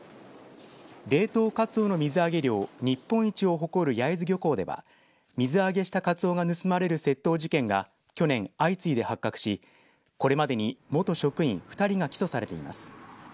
冷凍カツオの水揚げ量日本一を誇る焼津漁港では水揚げしたカツオが盗まれる窃盗事件が去年、相次いで発覚しこれまでに元職員２人が起訴されています。